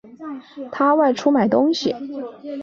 他外出买东西